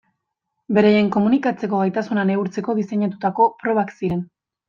Beraien komunikatzeko gaitasuna neurtzeko diseinatutako probak ziren.